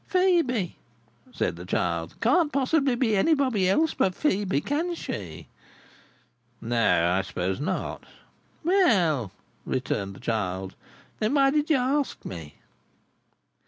"Phœbe," said the child, "can't be anybobby else but Phœbe. Can she?" "No, I suppose not." "Well," returned the child, "then why did you ask me?"